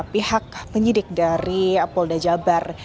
pihak penyidik dari pol dajabar